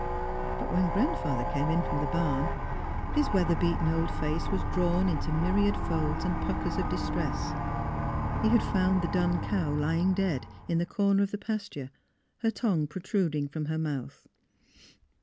" But when Grandfather came in from the barn his weather beaten old face was drawn into myriad folds and puckers of distress. He had 99 100 THE HEART OF PHILURA found the dun cow lying dead in the corner of the pasture, her tongue protruding from her mouth.